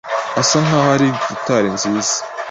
asa nkaho ari gitari nziza.